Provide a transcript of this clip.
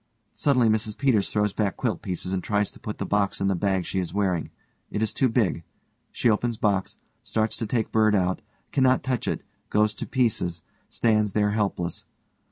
Suddenly_ MRS PETERS _throws back quilt pieces and tries to put the box in the bag she is wearing. It is too big. She opens box, starts to take bird out, cannot touch it, goes to pieces, stands there helpless.